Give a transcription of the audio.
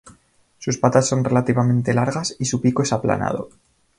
Sus patas son relativamente largas y su pico es aplanado.